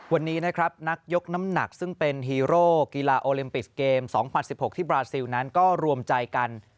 วันนี้นะครับนักยกน้ำหนักซึ่งเป็นฮีโร่กีฬาโอลิมปิกเกม๒๐๑๖ที่บราซิลนั้นก็รวมใจกัน